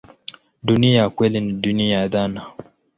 Dunia ya kweli ni dunia ya dhana.